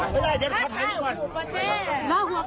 สวัสดีครับ